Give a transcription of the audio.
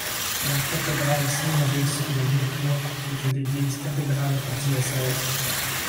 La cathédrale Saint-Maurice de Mirepoix était l'église cathédrale du diocèse.